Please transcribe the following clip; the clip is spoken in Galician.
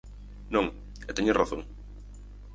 Non, e teñen razón.